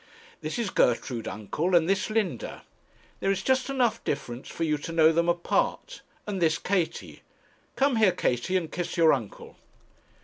'This is Gertrude, uncle, and this Linda; there is just enough difference for you to know them apart. And this Katie. Come here, Katie, and kiss your uncle.'